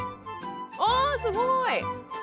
おすごい！